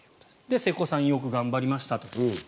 瀬古さんよく頑張りましたと。